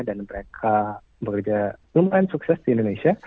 dan mereka bekerja lumayan sukses di indonesia